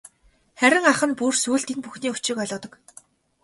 Харин ах нь бүр сүүлд энэ бүхний учрыг ойлгодог.